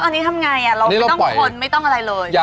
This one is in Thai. ตอนนี้ทำไงเราไม่ต้องทนไม่ต้องอะไรเลย